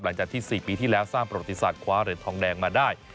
หลังจากที่๔ปีที่แล้วสร้างประวัติศาสตคว้าเหรียญทองแดงมาได้